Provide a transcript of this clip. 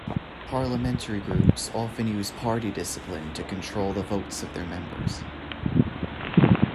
Parliamentary groups often use party discipline to control the votes of their members.